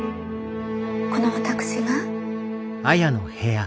この私が？